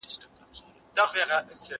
زه اوس مکتب ته ځم!.